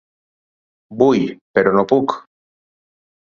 Vull, però no puc.